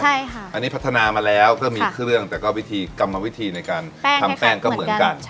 ใช่ค่ะอันนี้พัฒนามาแล้วก็มีเครื่องแต่ก็วิธีกรรมวิธีในการทำแป้งก็เหมือนกัน